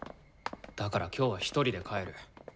だから今日はひとりで帰る。